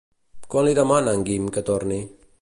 Quan li demana en Guim que torni?